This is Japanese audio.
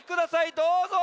どうぞ！